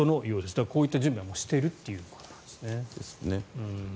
だから、こういった準備はしているということですね。